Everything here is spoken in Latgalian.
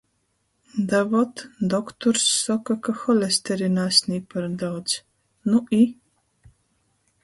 Da vot, dokturs soka, ka holesterina asnī par daudz. Nu i?